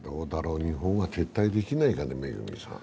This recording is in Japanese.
日本は撤退できないかね、恵さん。